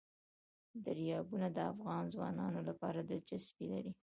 دریابونه د افغان ځوانانو لپاره دلچسپي لري.